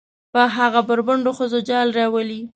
په هغه بربنډو ښځو جال روالي.